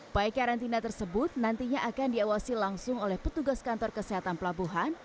pai karantina tersebut nantinya akan diawasi langsung oleh petugas kantor kesehatan pelabuhan